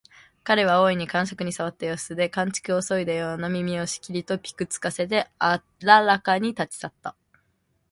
彼は大いに肝癪に障った様子で、寒竹をそいだような耳をしきりとぴく付かせてあららかに立ち去った